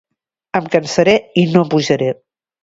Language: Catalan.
Em cansaré i no pujaré.